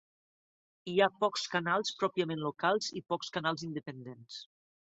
Hi ha pocs canals pròpiament locals i pocs canals independents.